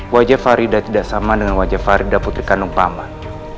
wajah farida tidak sama dengan wajah farida putri kandung paman